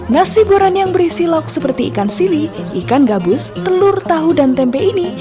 nasi goreng yang berisi lok seperti ikan sili ikan gabus telur tahu dan tempe ini